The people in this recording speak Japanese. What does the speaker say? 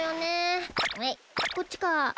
えいっこっちか？